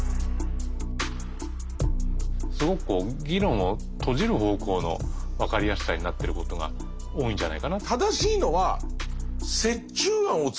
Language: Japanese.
すごくこう議論を閉じる方向の「わかりやすさ」になってることが多いんじゃないかな。